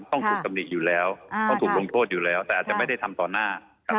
ต้องถูกตำหนิอยู่แล้วต้องถูกลงโทษอยู่แล้วแต่อาจจะไม่ได้ทำต่อหน้า